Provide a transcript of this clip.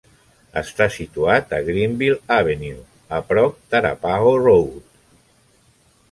Està situat a Greenville Avenue, a prop d'Arapaho Road.